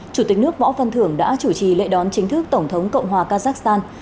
chủ tịch nước võ văn thưởng đã chủ trì lễ đón chính thức tổng thống cộng hòa kazakhstan